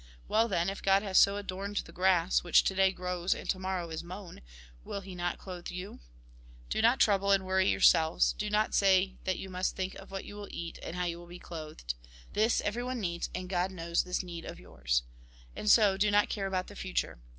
Well then, if God has so adorned the grass, which to day grows and to morrow is mown, will he not clothe you ? Do not troulDle and worry yourselves ; do not say that you must think of what you will eat and how you will be clothed. This everyone needs, and God knows this need of yours. And so, do not care about the future.